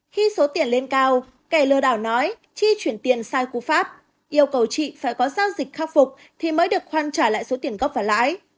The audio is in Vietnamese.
khi số tiền lên cao kẻ lừa đảo nói chi chuyển tiền sai cú pháp yêu cầu chị phải có giao dịch khắc phục thì mới được khoan trả lại số tiền gốc và lãi